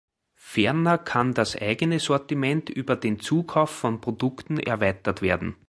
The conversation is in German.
Ferner kann das eigene Sortiment über den Zukauf von Produkten erweitert werden.